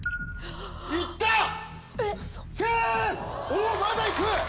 おっまだ行く！